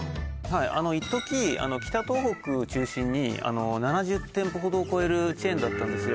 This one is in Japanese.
はいいっとき北東北中心に７０店舗ほどを超えるチェーンだったんですよ